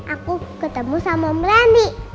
aku ketemu sama om randy